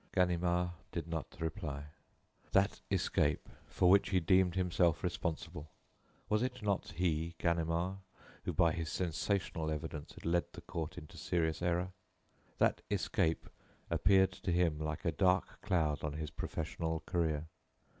Ganimard did not reply. That escape for which he deemed himself responsible was it not he, Ganimard, who, by his sensational evidence, had led the court into serious error? That escape appeared to him like a dark cloud on his professional career.